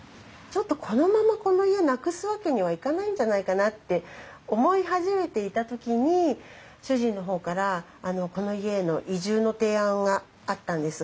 ちょっとこのままこの家なくすわけにはいかないんじゃないかなって思い始めていた時に主人の方からこの家への移住の提案があったんです。